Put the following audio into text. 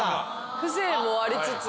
風情もありつつ。